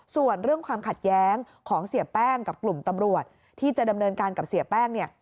ส่วนเรื่องความขัดแย้งของเสียแป้งกับกลุ่มตำรวจที่จะดำเนินการกับเสียแป้งเนี่ย